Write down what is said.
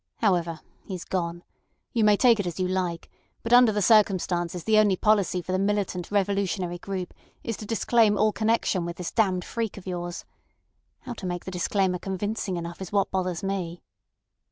However, he's gone. You may take it as you like, but under the circumstances the only policy for the militant revolutionary group is to disclaim all connection with this damned freak of yours. How to make the disclaimer convincing enough is what bothers me."